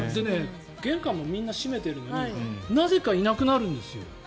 玄関もみんな閉めてるのになぜかいなくなるんですよ。